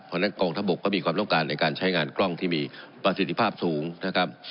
เพราะฉะนั้นกองทัพบกก็มีความต้องการในการใช้งานกล้องที่มีประสิทธิภาพสูงนะครับ